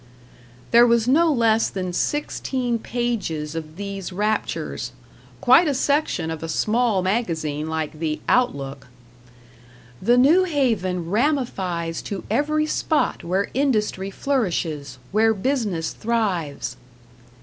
There was no less than sixteen pages of these raptures quite a section of a small magazine like the "Outlook". "The New Haven ramifies to every spot where industry flourishes, where business thrives."